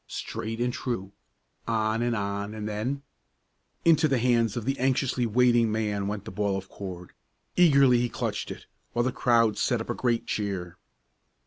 Straight and true on and on and then Into the hands of the anxiously waiting man went the ball of cord. Eagerly he clutched it, while the crowd set up a great cheer.